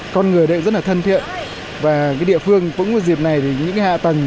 con người đây cũng rất là thân thiện và cái địa phương cũng có dịp này thì những hạ tầng